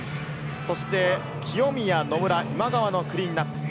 そして清宮、野村、今川のクリーンナップ。